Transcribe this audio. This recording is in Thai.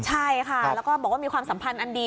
ใช่ค่ะแล้วก็บอกว่ามีความสัมพันธ์อันดี